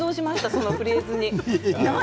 そのフレーズに。